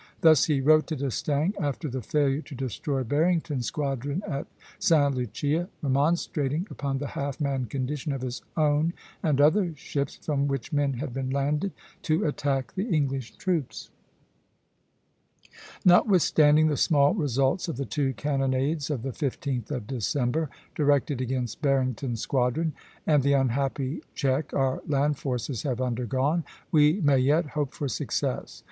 Thus he wrote to D'Estaing, after the failure to destroy Barrington's squadron at Sta. Lucia, remonstrating upon the half manned condition of his own and other ships, from which men had been landed to attack the English troops: "Notwithstanding the small results of the two cannonades of the 15th of December [directed against Barrington's squadron], and the unhappy check our land forces have undergone, we may yet hope for success.